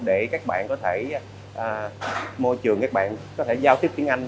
để các bạn có thể môi trường các bạn có thể giao tiếp tiếng anh